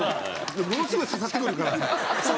ものすごい刺さってくるからさ。